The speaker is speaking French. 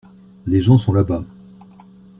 Les gens sont là-bas.